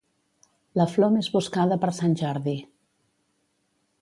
La flor més buscada per sant Jordi.